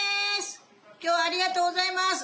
今日はありがとうございます。